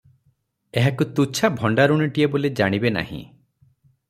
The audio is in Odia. ଏହାକୁ ତୁଚ୍ଛା ଭଣ୍ତାରୁଣୀଟିଏ ବୋଲି ଜାଣିବେ ନାହିଁ ।